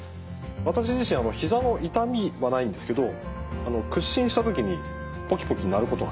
私自身ひざの痛みはないんですけど屈伸した時にポキポキ鳴ることがあります。